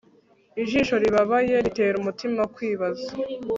ijisho ribabaye ritera umutima kwibaza